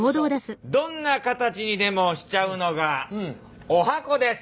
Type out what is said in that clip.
「どんな形にでもしちゃうのが十八番です」。